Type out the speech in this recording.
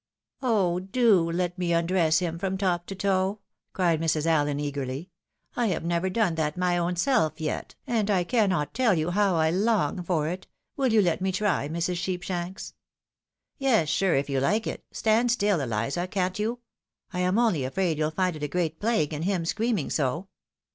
" Oh, do let me undress him from top to toe," cried Mrs. AUen, eagerly, " I have never done that my own self yet, and I cannot teU you how I long for it — ^wUl you let me try, Mrs. " Yes, sure) if you like it — stand stUl, Eliza, can't you 1 — ^I am only afraid you'U find it a great plague, and him scream ing so."